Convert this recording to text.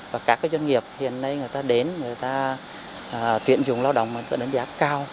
và các doanh nghiệp hiện nay người ta đến người ta tuyển dụng lao động mà người ta đánh giá cao